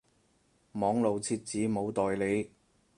網路設置冇代理